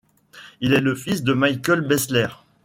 Il est le fils de Michael Besler.